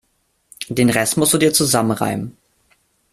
Den Rest musst du dir zusammenreimen.